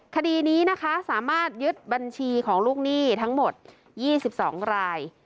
คดีนี้นะคะสามารถยึดบัญชีของลูกหนี้ทั้งหมด๒๒ราย